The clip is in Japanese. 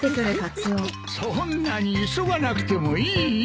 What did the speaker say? そんなに急がなくてもいいいい。